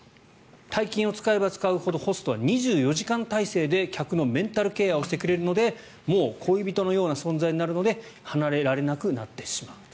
大金を使えば使うほどホストは２４時間体制で客のメンタルケアをしてくれるのでもう恋人のような存在になるので離れられなくなってしまう。